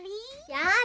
やだ！